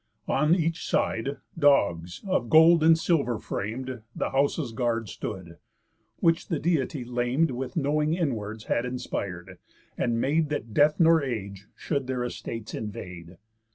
On each side, dogs, of gold and silver fram'd, The house's guard stood: which the Deity lam'd With knowing inwards had inspir'd, and made That death nor age should their estates invade.